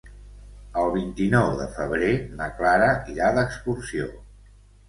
El vint-i-nou de febrer na Clara irà d'excursió.